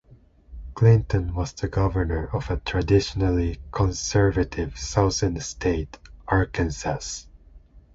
Clinton was the governor of a traditionally conservative Southern state, Arkansas.